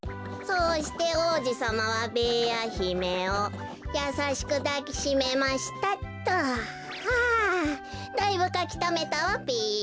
「そうして王子様はべーやひめをやさしくだきしめました」っと。はあだいぶかきためたわべ。